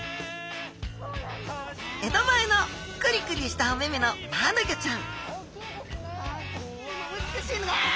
江戸前のクリクリしたお目々のマアナゴちゃんああ！